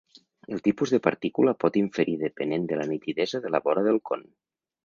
El tipus de partícula pot inferir depenent de la nitidesa de la vora del con.